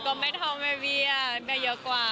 ก็ไม่เท่าแมบรแม่เยอะกว่า